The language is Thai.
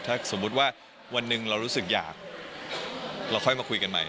ถ้าสมมุติว่าวันหนึ่งเรารู้สึกอยากเราค่อยมาคุยกันใหม่